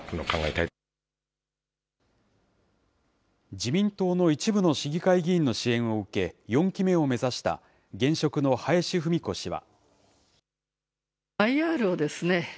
自民党の一部の市議会議員の支援を受け、４期目を目指した現職の林文子氏は。